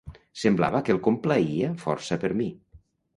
Semblava que el complaïa força per mi.